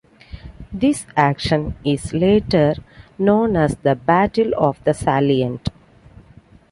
This action is later known as the Battle of the Salient.